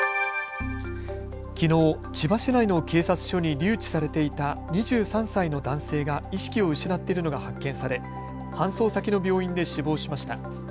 きのう、千葉市内の警察署に留置されていた２３歳の男性が意識を失っているのが発見され搬送先の病院で死亡しました。